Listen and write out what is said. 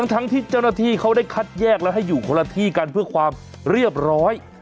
ทั้งที่เจ้าหน้าที่เขาได้คัดแยกแล้วให้อยู่คนละที่กันเพื่อความเรียบร้อย